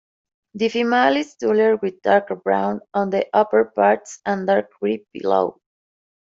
The female is duller with dark brown on the upperparts and dark grey below.